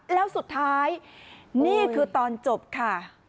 แล้วสุดท้ายนี่คือตอนจบค่ะ